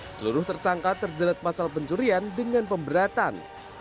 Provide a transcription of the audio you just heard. seluruh tersangka terjerat pasal pencurian dengan pemberatan